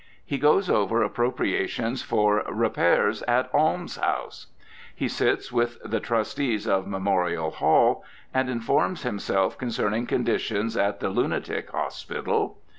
He goes over appropriations for "Repairs at Almshouse." He sits with the "Trustees of Memorial Hall," and informs himself concerning conditions at the "Lunatic Hospital."